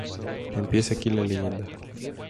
Empieza aquí la leyenda.